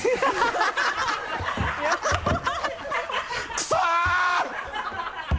クソ！